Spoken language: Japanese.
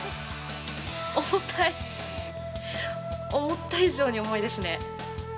重たい、思った以上に重いですね。